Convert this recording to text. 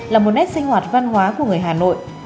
là một nét sinh hoạt văn hóa của người hà nội